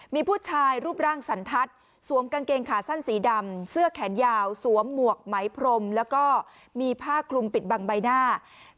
มีผู้ชายรูปร่างสันทัศน์สวมกางเกงขาสั้นสีดำเสื้อแขนยาวสวมหมวกไหมพรมแล้วก็มีผ้าคลุมปิดบังใบหน้า